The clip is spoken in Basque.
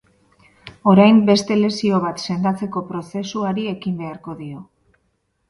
Orain, beste lesio bat sendatzeko prozesuari ekin beharko dio.